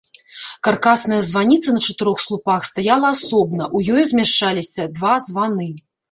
Каркасная званіца на чатырох слупах стаяла асобна, у ёй змяшчаліся два званы.